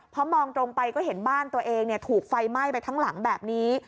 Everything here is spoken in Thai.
พอมองตรงไปก็เห็นบ้านตัวเองถูกไฟไหม้ไปทั้งหลังแบบนี้